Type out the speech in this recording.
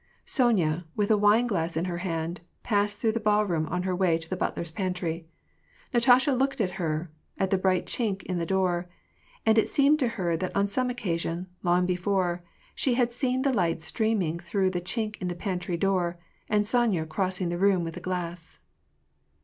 Sonya, with a wineglass in. her hand, passed through the ballroom on her way to the butler's pantry. Natasha looked at her, at the bright chink in the door ; and it seemed to her that on some occasion, long before, she had seen the light streaming through the chink in the pantry door, and Sonya crossing the room with a glass.